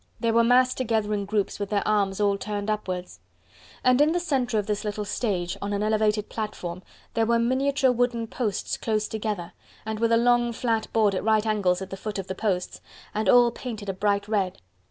They were massed together in groups with their arms all turned upwards. And in the center of this little stage on an elevated platform there were miniature wooden posts close together, and with a long flat board at right angles at the foot of the posts, and all painted a bright red.